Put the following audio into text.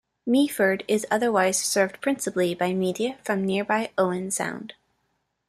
Meaford is otherwise served principally by media from nearby Owen Sound.